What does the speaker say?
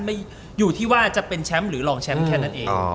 อยู่ที่ว่าจะเป็นแชมป์หรือรองแชมป์แค่นั้นเอง